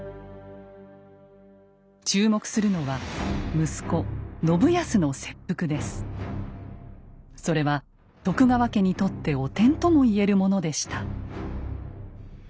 注目するのはそれは徳川家にとって汚点とも言えるものでした。